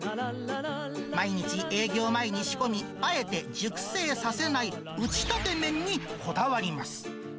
毎日、営業前に仕込み、あえて熟成させない打ちたて麺にこだわります。